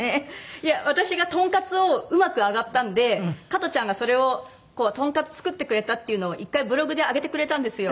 いや私がトンカツをうまく揚がったんで加トちゃんがそれを「トンカツ作ってくれた」っていうのを１回ブログで上げてくれたんですよ。